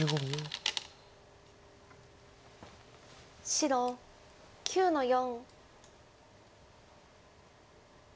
白９の四。